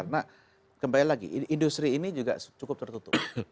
karena kembali lagi industri ini juga cukup tertutup